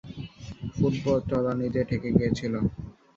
Football তলানিতে ঠেকে গিয়েছিল।